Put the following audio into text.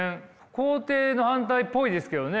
肯定の反対っぽいですけどね